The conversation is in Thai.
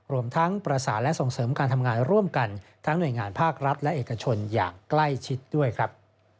รวมทั้งประสานและส่งเสริมการทำงานร่วมกันทั้งหน่วยงานภาครัฐและเอกชนอย่างใกล้ชิดด้วยครับ